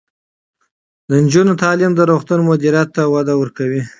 د نجونو تعلیم د روغتون مدیریت ته وده ورکوي.